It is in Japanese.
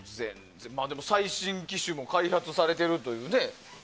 最新機種も開発されているというので。